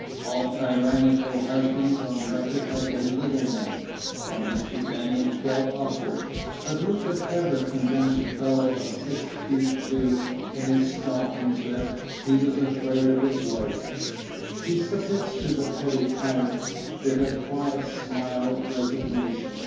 All tyrannical husbands on record have been little men, from Mr. Daniel Quilp upward; but who could ever convince a fellow of six feet two in his stockings that he was afraid of his wife? He submits to the petty tyrant with a quiet smile of resignation.